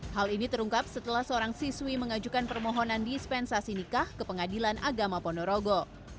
hal ini terungkap setelah seorang siswi mengajukan permohonan dispensasi nikah ke pengadilan agama ponorogo